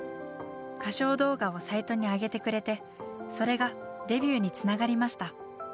歌唱動画をサイトに上げてくれてそれがデビューにつながりました。